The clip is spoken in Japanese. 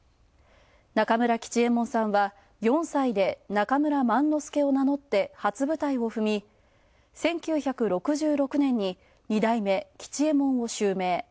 中村吉右衛門さんは、４歳で中村萬之助を名乗って初舞台を踏み、１９６６年に二代目吉右衛門を襲名。